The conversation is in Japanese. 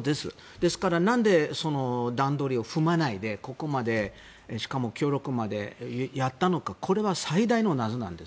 ですから、なんで段取りを踏まないでここまでしかも協力までやったのかこれは最大の謎なんです。